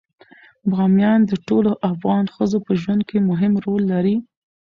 بامیان د ټولو افغان ښځو په ژوند کې مهم رول لري.